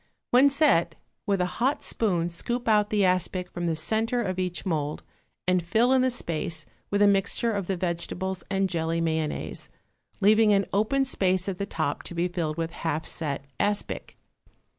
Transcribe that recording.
When set, with a hot spoon scoop out the aspic from the centre of each mould and fill in the space with a mixture of the vegetables and jelly mayonnaise, leaving an open space at the top to be filled with half set aspic.